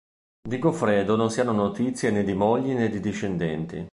Di Goffredo non si hanno notizie né di mogli né di discendenti.